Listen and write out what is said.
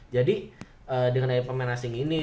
jadi dengan dari pemain asing ini